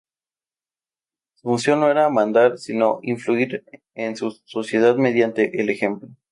Su función no era mandar, sino influir en su sociedad mediante el ejemplo.